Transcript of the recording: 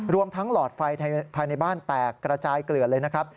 รวมทั้งหลอดไฟภายในบ้านแตกกระจายเกลือดเลยนะครับ